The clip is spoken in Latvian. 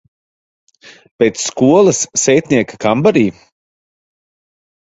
Pēc skolas sētnieka kambarī?